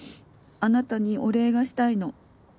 あなたにお礼がしたいの」